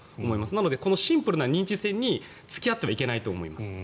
だからこのシンプルな認知戦に付き合ってはいけないと思います。